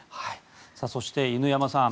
そして、犬山さん